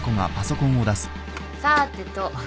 さーてと。